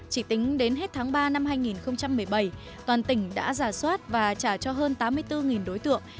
chỉ tính đến hết tháng ba năm hai nghìn một mươi bảy toàn tỉnh đã giả soát và trả cho hơn tám mươi bốn đối tượng